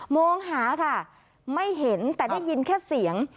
มองหาค่ะไม่เห็นแต่ได้ยินแค่เสียง